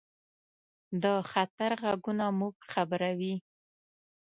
د خطر غږونه موږ خبروي.